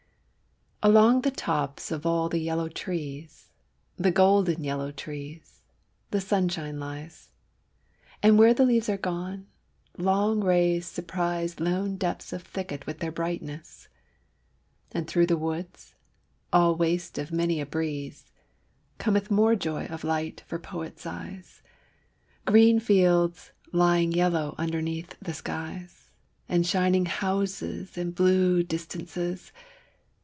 Along the tops of all the yellow trees, The golden yellow trees, the sunshine lies; And where the leaves are gone, long rays surprise Lone depths of thicket with their brightnesses; And through the woods, all waste of many a breeze, Cometh more joy of light for Poet's eyes Green fields lying yellow underneath the skies, And shining houses and blue distances.